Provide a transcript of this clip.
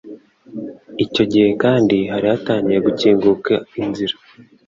Icyo gihe kandi hari hatangiye gukinguka inzira